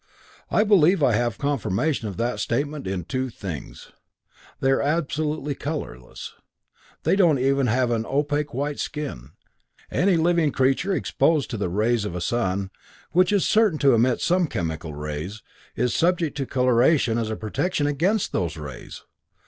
"I believe I have confirmation of that statement in two things. They are absolutely colorless; they don't even have an opaque white skin. Any living creature exposed to the rays of a sun, which is certain to emit some chemical rays, is subject to coloration as a protection against those rays.